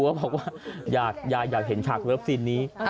บอกว่าอยากเห็นฉากเลิฟซีนนี้